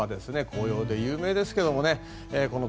紅葉で有名ですけどね。